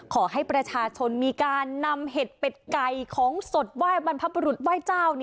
ขอให้ประชาชนมีการนำเห็ดเป็ดไก่ของสดไหว้บรรพบุรุษไหว้เจ้า